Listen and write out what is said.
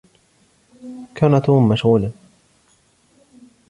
كان توم مشغولا.